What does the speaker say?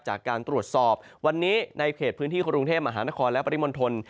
จากการตรวจสอบวันนี้ในเขตพื้นที่กรุงเทพมหานครและปริมณฑล